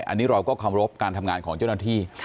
อันนี้เราก็เคารพการทำงานของเจ้าหน้าที่